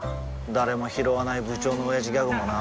誰もひろわない部長のオヤジギャグもな